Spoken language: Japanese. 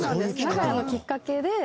長屋のきっかけで。